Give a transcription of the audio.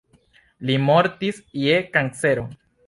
Li mortis je kancero.